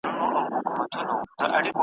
بل جهان بل به نظام وي چي پوهېږو ,